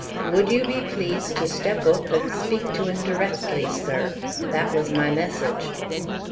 Would you be pleased to step oop, and speak to 'un directly, sir? that was my message."